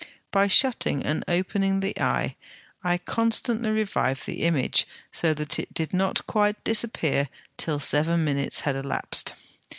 By shutting and opening the eye I constantly revived the image, so that it did not quite disappear till seven minutes had elapsed.